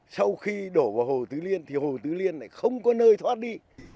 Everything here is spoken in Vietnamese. sau khi đổ vào hồ tứ liên thì hồ tứ liên lại không có nơi thoát đi